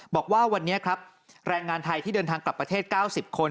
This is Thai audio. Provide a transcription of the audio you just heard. บอกว่าวันนี้ครับแรงงานไทยที่เดินทางกลับประเทศ๙๐คน